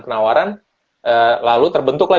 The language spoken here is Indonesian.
penawaran lalu terbentuklah